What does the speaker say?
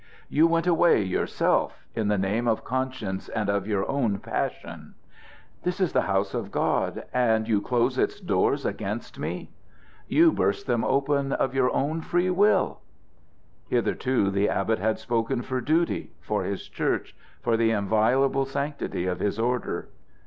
"You went away yourself, in the name of conscience and of your own passion." "This is the house of God, and you close its doors against me?" "You burst them open of your own self will." Hitherto the abbot had spoken for duty, for his church, for the inviolable sanctity of his order.